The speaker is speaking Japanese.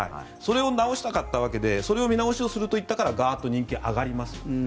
それを直したかったわけでそれを見直しをすると言ったからガッと人気が上がります。